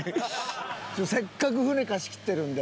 せっかく船貸し切ってるんで。